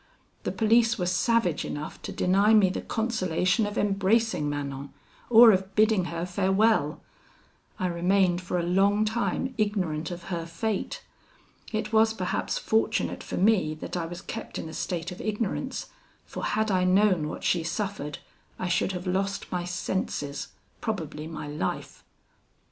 The police were savage enough to deny me the consolation of embracing Manon, or of bidding her farewell. I remained for a long time ignorant of her fate. It was perhaps fortunate for me that I was kept in a state of ignorance, for had I known what she suffered, I should have lost my senses, probably my life.